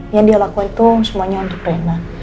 yang dia lakukan itu semuanya untuk rena